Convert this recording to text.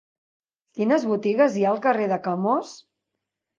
Quines botigues hi ha al carrer de Camós?